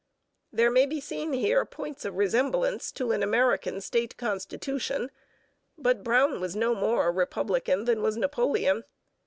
There may be seen here points of resemblance to an American state constitution, but Brown was no more a republican than was Napoleon.